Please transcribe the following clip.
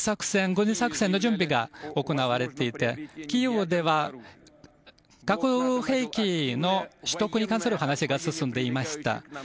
軍事作戦の準備が行われていてキーウでは核兵器の取得に関する話が進んでいました。